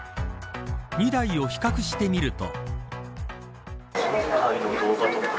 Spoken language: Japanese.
２台を比較してみると。